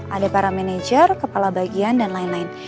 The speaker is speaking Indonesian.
ada para manajer kepala bagian dan lain lain